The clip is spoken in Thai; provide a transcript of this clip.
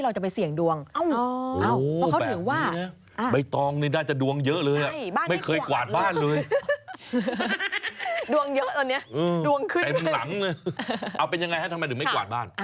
เอาเป็นยังไงทำไมเดืองไม่กวาดว่าน